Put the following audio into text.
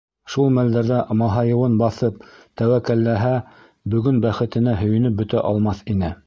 Шул мәлдәрҙә маһайыуын баҫып, тәүәккәлләһә, бөгөн бәхетенә һөйөнөп бөтә алмаҫ ине.